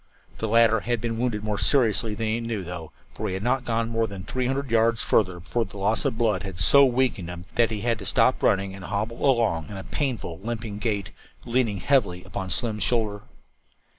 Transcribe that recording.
The latter had been wounded more seriously than he knew, though, and he had not gone more than three hundred yards further before the loss of blood had so weakened him that he had to stop running and hobble along in a painful, limping gait, leaning heavily upon Slim's shoulder.